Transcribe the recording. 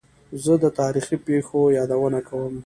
زه د تاریخي پېښو یادونه کوم.